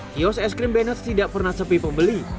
kiosk es krim bennett's tidak pernah sepi pembeli